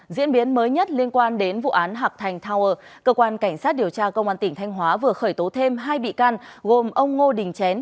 diễn biến mới nhất liên quan đến vụ án hạc thành tower cơ quan cảnh sát điều tra công an tỉnh thanh hóa vừa khởi tố thêm hai bị can gồm ông ngô đình chén